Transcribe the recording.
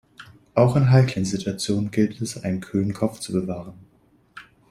Auch in heiklen Situationen gilt es, einen kühlen Kopf zu bewahren.